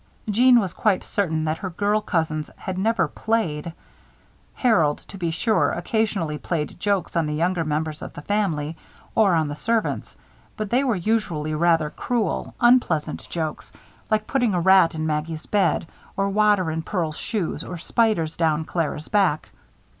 Jeanne was quite certain that her girl cousins had never played. Harold, to be sure, occasionally played jokes on the younger members of the family or on the servants; but they were usually rather cruel, unpleasant jokes, like putting a rat in Maggie's bed, or water in Pearl's shoes, or spiders down Clara's back.